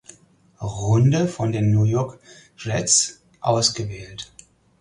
Runde von den New York Jets ausgewählt.